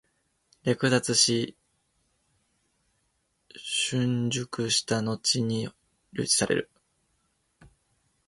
略奪し、凌辱したのちに留置される。